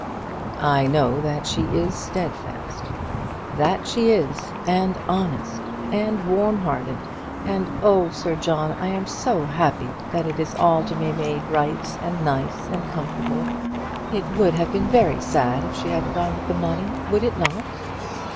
"I know that she is steadfast," said he. "That she is, and honest, and warm hearted; and and Oh! Sir John, I am so happy that it is all to be made right, and nice, and comfortable. It would have been very sad if she hadn't gone with the money; would it not?"